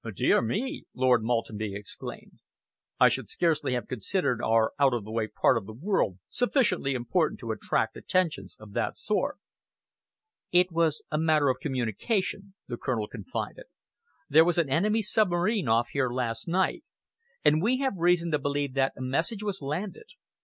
"Dear me!" Lord Maltenby exclaimed. "I should scarcely have considered our out of the way part of the world sufficiently important to attract attentions of that sort." "It was a matter of communication," the Colonel confided. "There was an enemy submarine off here last night, and we have reason to believe that a message was landed.